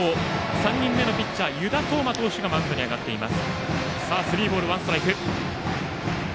３人目のピッチャー湯田統真投手がマウンドに上がっています。